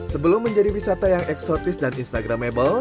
sebelum menjadi wisata yang eksotis dan instagramable